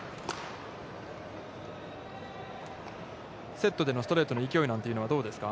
セットでのストレートの勢いなんてのは、どうですか。